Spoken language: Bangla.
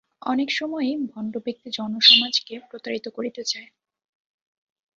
অনেক সময়েই ভণ্ডব্যক্তি জনসমাজকে প্রতারিত করিতে চায়।